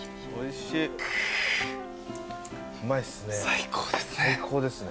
最高ですね。